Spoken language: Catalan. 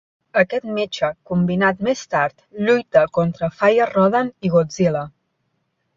Aquest "mecha" combinat més tard lluita contra Fire Rodan i Godzilla.